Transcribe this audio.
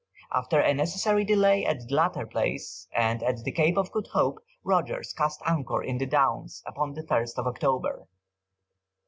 After a necessary delay at the latter place, and at the Cape of Good Hope, Rogers cast anchor in the Downs upon the 1st of October.